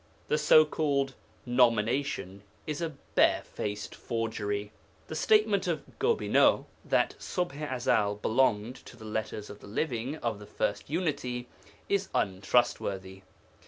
The so called 'nomination' is a bare faced forgery. The statement of Gobineau that Ṣubḥ i Ezel belonged to the 'Letters of the Living' of the First Unity is untrustworthy.